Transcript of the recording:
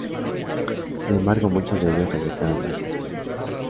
Sin embargo, muchos de ellos regresaron hacia Split.